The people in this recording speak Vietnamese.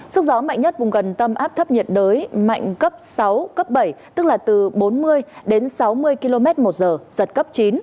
sức gió mạnh nhất vùng gần tâm áp thấp nhiệt đới mạnh cấp sáu cấp bảy tức là từ bốn mươi đến sáu mươi km một giờ giật cấp chín